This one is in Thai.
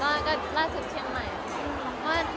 เหรอคะล่าสุดเชียงใหม่